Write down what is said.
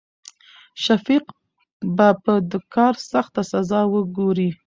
شفيق به په د کار سخته سزا وګوري.